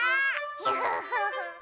フフフフ。